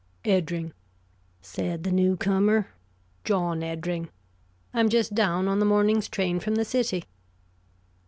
"Eddring," said the new comer. "John Eddring. I am just down on the morning's train from the city."